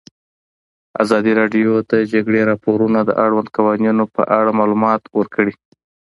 ازادي راډیو د د جګړې راپورونه د اړونده قوانینو په اړه معلومات ورکړي.